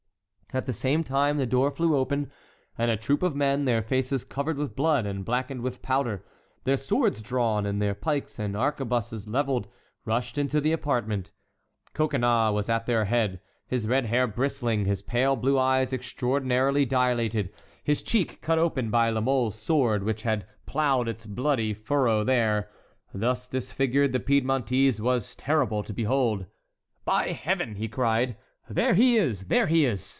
At the same time the door flew open, and a troop of men, their faces covered with blood and blackened with powder, their swords drawn, and their pikes and arquebuses levelled, rushed into the apartment. Coconnas was at their head—his red hair bristling, his pale blue eyes extraordinarily dilated, his cheek cut open by La Mole's sword, which had ploughed its bloody furrow there. Thus disfigured, the Piedmontese was terrible to behold. "By Heaven!" he cried, "there he is! there he is!